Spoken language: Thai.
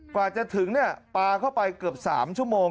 กว่าจะถึงปลาเข้าไปเกือบ๓ชั่วโมง